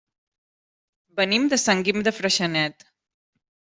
Venim de Sant Guim de Freixenet.